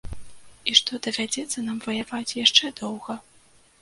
І што давядзецца нам ваяваць яшчэ доўга.